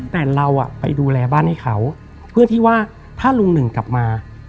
แต่เราไปดูแลบ้านให้เขาเพื่อที่ว่าถ้าลุงหนึ่งกลับมา